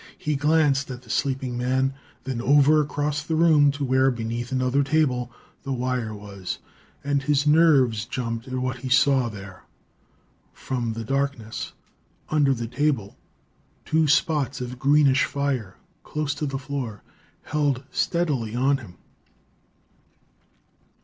He glanced at the sleeping man, then over across the room to where, beneath another table, the wire was and his nerves jumped at what he saw there. From the darkness under the table two spots of greenish fire, close to the floor, held steadily on him.